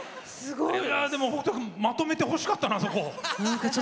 でも北斗君、そこまとめてほしかったな。